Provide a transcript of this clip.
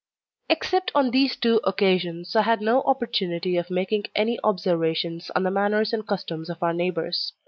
Except on these two occasions, I had no opportunity of making any observations on the manners and customs of our neighbours.